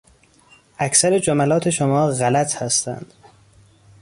اکثر جملات شما غلط هستند.